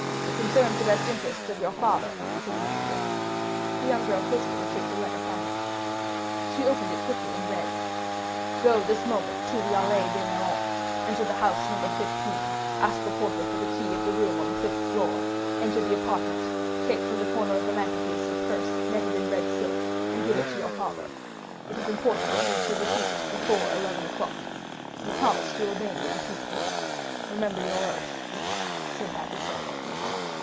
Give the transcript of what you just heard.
"It concerns the best interests of your father," said the messenger. The young girl hastily took the letter from him. She opened it quickly and read: "Go this moment to the Allées de Meilhan, enter the house No. 15, ask the porter for the key of the room on the fifth floor, enter the apartment, take from the corner of the mantelpiece a purse netted in red silk, and give it to your father. It is important that he should receive it before eleven o'clock. You promised to obey me implicitly. Remember your oath. "Sinbad the Sailor."